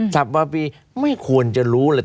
สัปดาห์ปีไม่ควรจะรู้เลย